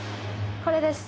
これです